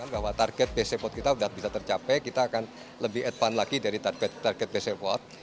bahwa target bcbot kita sudah bisa tercapai kita akan lebih advance lagi dari target bcbot